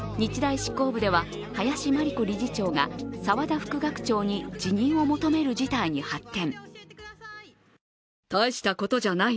一方、日大執行部では林真理子理事長が沢田副学長に辞任を求める事態に発展。